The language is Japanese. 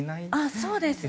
そうですね。